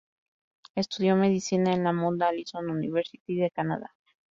Estudió medicina en la Mount Allison University de Canadá.